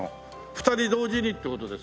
２人同時にって事ですか？